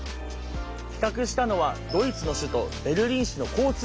企画したのはドイツの首都ベルリン市の交通局。